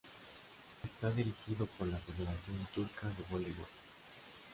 Está dirigido por la Federación Turca de Voleibol.